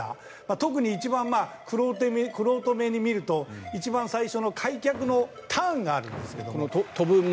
特に一番玄人目に見ると一番最初の開脚のターンがあるんですけど。